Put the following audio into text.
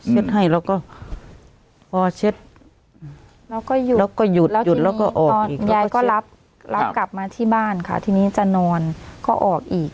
เช็ดให้แล้วก็พอเช็ดแล้วก็หยุดแล้วก็ออกอีกยายก็รับกลับมาที่บ้านค่ะทีนี้จะนอนก็ออกอีก